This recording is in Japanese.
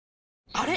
あれ？